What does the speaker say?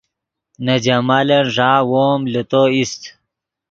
نے جمالن ݱا وو ام لے تو ایست